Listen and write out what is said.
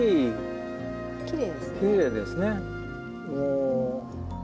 きれいですね。